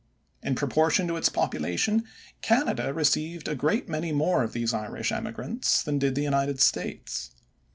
In proportion to its population Canada received a great many more of these Irish emigrants than did the United States.